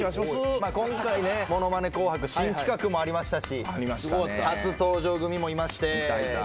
今回ね『ものまね紅白』新企画もありましたし初登場組もいまして見どころ満載なんですけども。